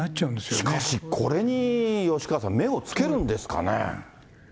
しかしこれに、吉川さん、目をつけるんですかね。